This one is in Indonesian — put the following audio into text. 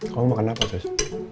kamu mau makan apa sis